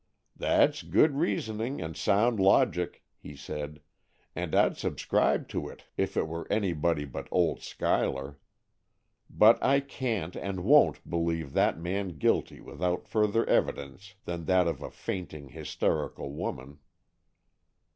"That's good reasoning and sound logic," he said; "and I'd subscribe to it if it were anybody but old Schuyler. But I can't and won't believe that man guilty without further evidence than that of a fainting, hysterical woman."